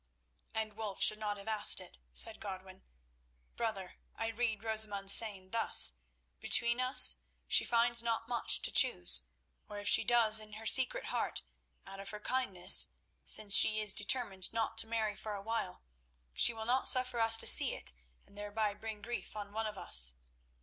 "And Wulf should not have asked it," said Godwin. "Brother, I read Rosamund's saying thus: Between us she finds not much to choose, or if she does in her secret heart, out of her kindness—since she is determined not to marry for a while—she will not suffer us to see it and thereby bring grief on one of us.